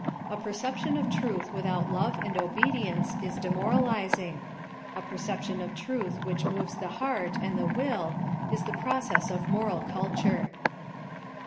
A perception of truth without love and obedience is demoralizing. A perception of truth which mo\ es the heart and the will is the process of moral c Jture.